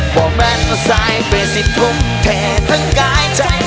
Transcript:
บอกแม่ตัวสายเป็นสิพุ่มเททั้งกายใจ